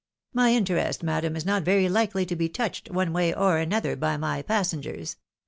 " My interest, madam, is not very likely to be touched, one way or another, by my passengers.